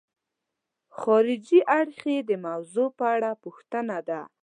خارجي اړخ یې د موضوع په اړه پوښتنه ده.